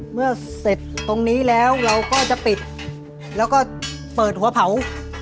เมื่อเสร็จตรงนี้แล้วเราก็จะปิดแล้วก็เปิดหัวเผา